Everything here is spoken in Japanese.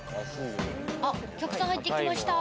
お客さん入ってきました。